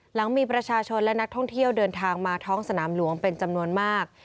หลังมีประชาชนและนักท่องเที่ยวเดินทางมาท้องสนามหลวงเป็นจำนวนมาก